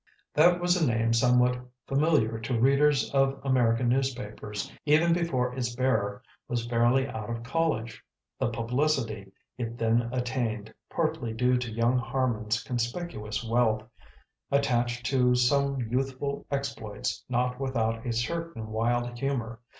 That was a name somewhat familiar to readers of American newspapers even before its bearer was fairly out of college. The publicity it then attained (partly due to young Harman's conspicuous wealth) attached to some youthful exploits not without a certain wild humour.